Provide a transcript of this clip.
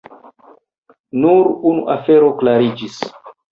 Nur unu afero klariĝis.